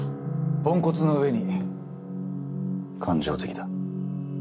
ポンコツの上に感情的だ。